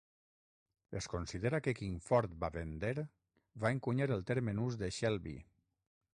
Es considera que Kingford Bavender va encunyar el terme nus de "Shelby".